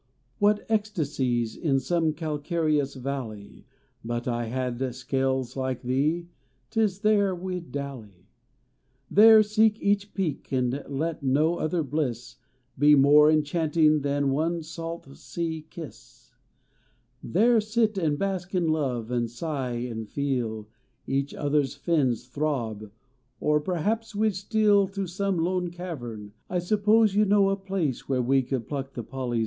What ecstasies in some calcareous valley, Had I but scales like thee tis there we d dally, There seek each peak and let no other bliss Be more enchanting, than one salt sea kiss ; There sit and bask in love, and sigh, and feel Kach other s fins throb, or perhaps we d steal To some lone cavern. I suppose you know a Place where we could pluck the poly